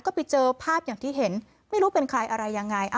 ก็ไปเจอภาพอย่างที่เห็นไม่รู้เป็นใครอะไรยังไง